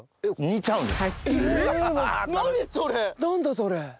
何だそれ。